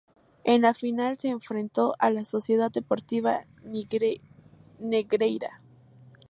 En la final, se enfrentó a la Sociedad Deportiva Negreira.